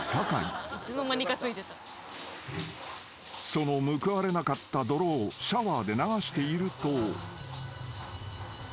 ［その報われなかった泥をシャワーで流していると］